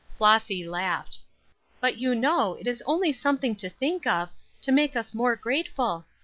Flossy laughed. "But you know it is only something to think of, to make us more grateful.